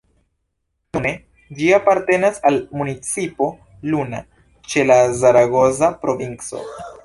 Nune ĝi apartenas al municipo Luna, ĉe la Zaragoza provinco.